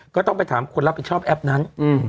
ก็ต้องไปถามคนรับผิดชอบแอปนั้น